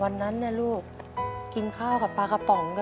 วันนั้นลูกกินข้าวกับปลากระป๋องนะ